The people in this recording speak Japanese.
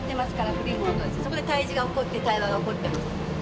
古いものとそこで対峙が起こって対話が起こってます。